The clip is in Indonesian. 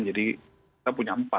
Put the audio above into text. jadi kita punya empat